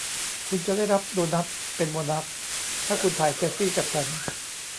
คุณจะได้รับโดนัทเป็นโบนัสถ้าคุณถ่ายเซลฟี่กับฉัน